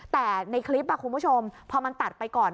แต่ในคลิปคุณผู้ชมพอมันตัดไปก่อน